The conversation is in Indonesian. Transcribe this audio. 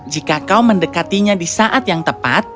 jika kau mendekatinya di saat yang tepat